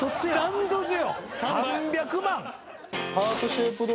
３００万